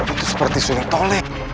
itu seperti suling tolek